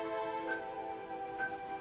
dia sudah berakhir